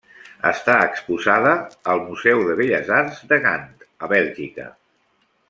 Està exposada al Museu de Belles Arts de Gant, a Bèlgica.